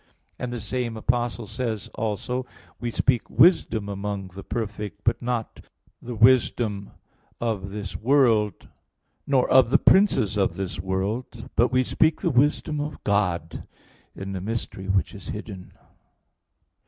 11:1), and the same Apostle says also, "We speak wisdom among the perfect, but not the wisdom of this world, nor of the princes of this world; but we speak the wisdom of God in a mystery which is hidden" (1 Cor.